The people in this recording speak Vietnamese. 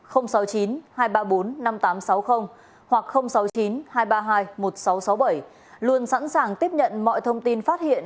hoặc sáu mươi chín hai trăm ba mươi hai một nghìn sáu trăm sáu mươi bảy luôn sẵn sàng tiếp nhận mọi thông tin phát hiện